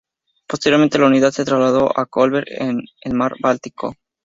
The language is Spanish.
Posteriormente, la unidad se trasladó a Kolberg, en el Mar Báltico.